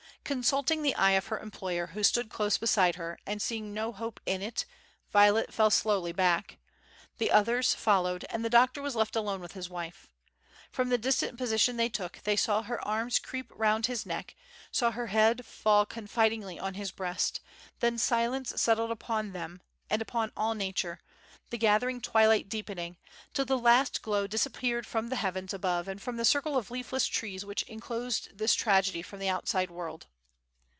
Consulting the eye of her employer who stood close beside her, and seeing no hope in it, Violet fell slowly back. The others, followed, and the doctor was left alone with his wife. From the distant position they took, they saw her arms creep round his neck, saw her head fall confidingly on his breast, then silence settled upon them, and upon all nature, the gathering twilight deepening, till the last glow disappeared from the heavens above and from the circle of leafless trees which enclosed this tragedy from the outside world.